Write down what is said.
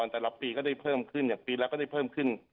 แต่ละปีก็ได้เพิ่มขึ้นอย่างปีแล้วก็ได้เพิ่มขึ้น